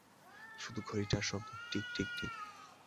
শুধু ঘড়িটার শব্দ, টিক টিক টিক।